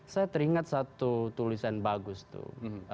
saya teringat satu tulisan bagus tuh